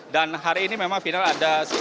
dan hari ini memang final ada sepuluh